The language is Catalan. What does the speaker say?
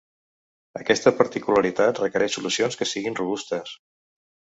Aquesta particularitat requereix solucions que siguin robustes.